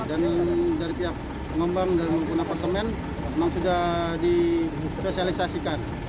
dan dari pihak pengembang dan penghuni apartmen memang sudah dipersialisasikan